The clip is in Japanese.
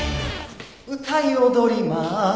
歌い踊ります。